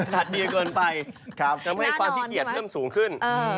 หัดดีเกินไปจำเป็นกว่าพิเศษเริ่มสูงขึ้น